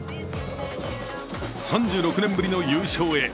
３６年ぶりの優勝へ